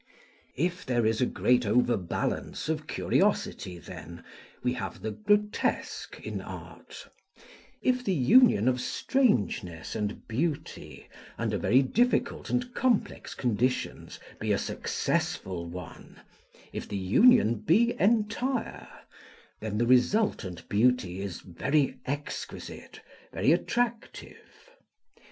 If there is a great overbalance of curiosity, then, we have the grotesque in art: if the union of strangeness and beauty, under very difficult and complex conditions, be a successful one, if the union be entire, then the resultant beauty is very exquisite, very attractive.